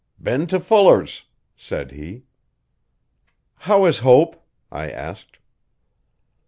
'Been to Fuller's,' said he. 'How is Hope?' I asked.